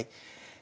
え